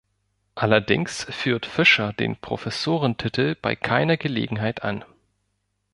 Allerdings führt Fischer den Professorentitel bei keiner Gelegenheit an.